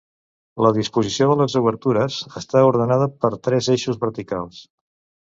La disposició de les obertures està ordenada per tres eixos verticals.